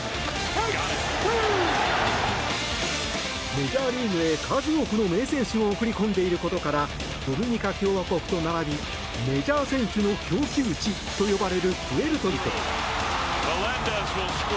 メジャーリーグへ数多くの名選手を送り込んでいることからドミニカ共和国と並びメジャー選手の供給地と呼ばれるプエルトリコ。